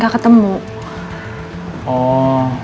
tidak ada masalah